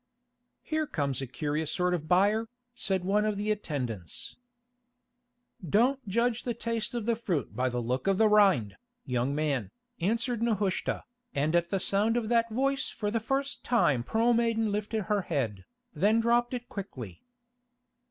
"Here comes a curious sort of buyer," said one of the attendants. "Don't judge the taste of the fruit by the look of the rind, young man," answered Nehushta, and at the sound of that voice for the first time Pearl Maiden lifted her head, then dropped it quickly.